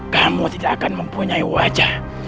kamu tidak akan mempunyai wajah